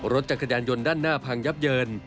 รถจักรยานยนต์ด้านหน้าพังยับเยิน